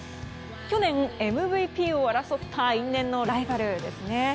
去年、ＭＶＰを争った因縁のライバルですね。